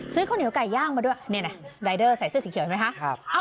ข้าวเหนียวไก่ย่างมาด้วยรายเดอร์ใส่เสื้อสีเขียวใช่ไหมคะ